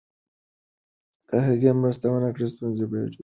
که هغه مرسته ونکړي، ستونزه به ډېره شي.